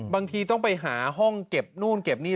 บางทีต้องไปหาห้องเก็บนู่นเก็บนี่